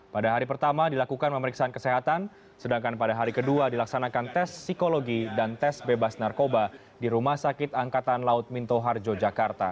pada hari pertama dilakukan pemeriksaan kesehatan sedangkan pada hari kedua dilaksanakan tes psikologi dan tes bebas narkoba di rumah sakit angkatan laut minto harjo jakarta